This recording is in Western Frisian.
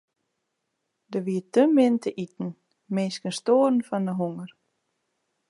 Der wie te min te iten, minsken stoaren fan 'e honger.